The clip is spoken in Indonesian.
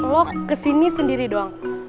lo kesini sendiri doang